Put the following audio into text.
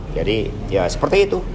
jadi ya seperti itu